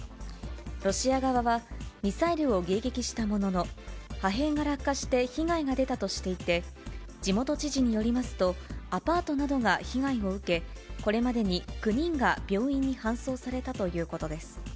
ロシア側はミサイルを迎撃したものの、破片が落下して被害が出たとしていて、地元知事によりますと、アパートなどが被害を受け、これまでに９人が病院に搬送されたということです。